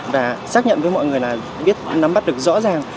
và xác nhận với mọi người là biết nắm bắt được rõ ràng